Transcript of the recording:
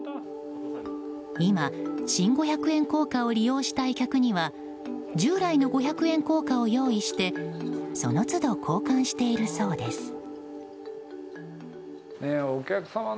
今、新五百円硬貨を利用したい客には従来の五百円硬貨を用意してその都度、交換しているそうです。